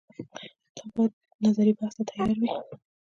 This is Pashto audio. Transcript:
دا باید نظري بحث ته تیارې وي